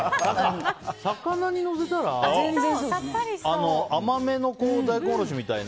魚にのせたら甘めの大根おろしみたいな。